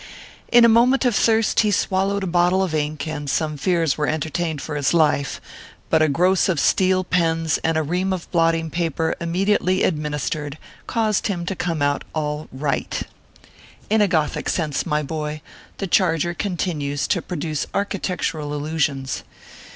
In a moment of thirst he swallowed a bottle of ink, and some fears were entertained for his life ; but a gross of steel pens and a ream of blotting paper, immedi ately administered, caused him to come out all write. In a gothic sense, my boy, the charger continues to produce architectural illusions.